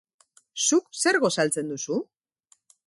Zuk zer gosaltzen duzu?